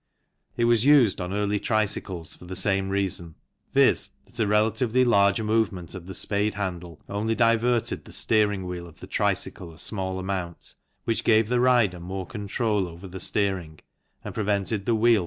It was used on early tricycles for the same reason, viz., that a relatively large movement of the spade handle only diverted the. steering wheel of the tricycle a small amount, which gave the rider more control over the steering and prevented the wheel from FIG.